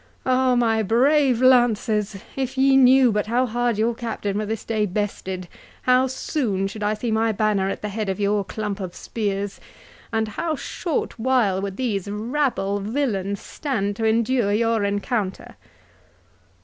—Oh, my brave lances! if ye knew but how hard your captain were this day bested, how soon should I see my banner at the head of your clump of spears! And how short while would these rabble villains stand to endure your encounter!"